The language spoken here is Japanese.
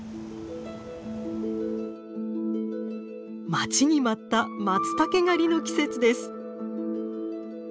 待ちに待ったマツタケ狩りの季節です。